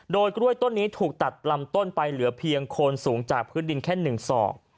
โดยกล้วยต้นนี้ถูกตัดลำต้นไปเหลือเพียงโคนสูงจากพื้นดินแค่๑ศอก